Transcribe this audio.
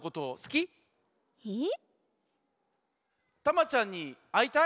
タマちゃんにあいたい？